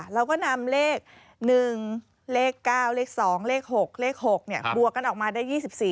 เราก็นำเลข๑๙๒๖บวกกันออกมาได้๒๔